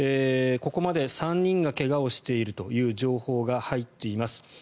ここまで３人が怪我をしているという情報が入っています。